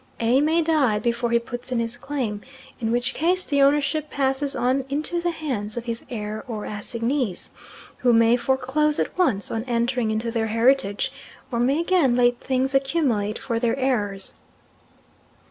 A. may die before he puts in his claim, in which case the ownership passes on into the hands of his heir or assignees, who may foreclose at once, on entering into their heritage, or may again let things accumulate for their heirs.